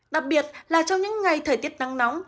đặc biệt là trong những ngày thời tiết nắng nóng